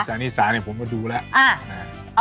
อิสานิสาผมก็ดูแล้ว